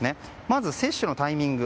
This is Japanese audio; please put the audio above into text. まず接種のタイミング